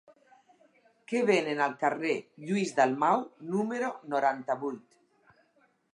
Què venen al carrer de Lluís Dalmau número noranta-vuit?